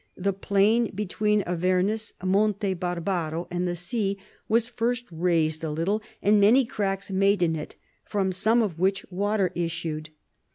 The plain between Avernus, Monte Barbaro, and the sea, was first raised a little, and many cracks made in it, from some of which water issued.